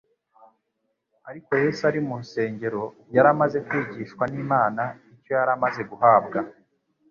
Ariko Yesu ari mu rusengero, yari amaze kwigishwa n'Imana. Icyo yari amaze guhabwa